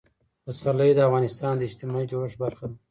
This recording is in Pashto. پسرلی د افغانستان د اجتماعي جوړښت برخه ده.